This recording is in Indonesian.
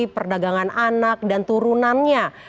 perdagangan anak dan turunannya